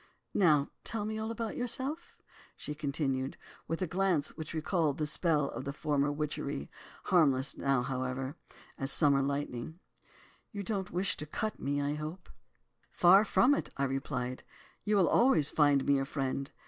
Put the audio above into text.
Now tell me all about yourself?' she continued, with a glance which recalled the spell of former witchery, harmless however, now, as summer lightning. 'You don't wish to cut me, I hope?' "'Far from it,' I replied, 'you will always find me a friend.